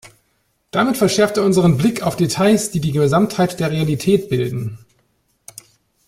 Damit verschärft er unseren Blick auf Details, die die Gesamtheit der Realität bilden.